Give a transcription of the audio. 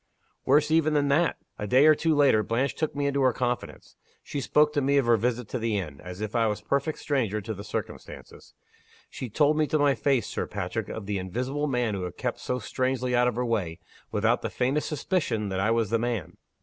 "Worse even than that! A day or two later, Blanche took me into her confidence. She spoke to me of her visit to the inn, as if I was a perfect stranger to the circumstances. She told me to my face, Sir Patrick, of the invisible man who had kept so strangely out of her way without the faintest suspicion that I was the man.